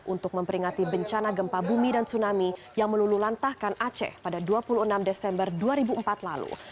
untuk memperingati bencana gempa bumi dan tsunami yang melululantahkan aceh pada dua puluh enam desember dua ribu empat lalu